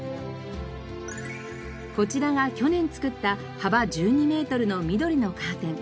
こちらが去年作った幅１２メートルの緑のカーテン。